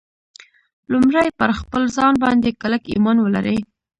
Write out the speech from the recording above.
لومړی پر خپل ځان باندې کلک ایمان ولرئ